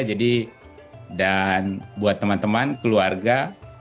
jadi dan buat teman teman keluarga